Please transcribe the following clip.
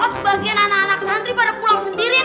sebagian anak anak santri pada pulang sendirian